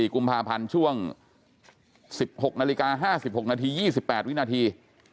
๔กุมภาพันธ์ช่วง๑๖นาฬิกา๕๖นาที๒๘วินาที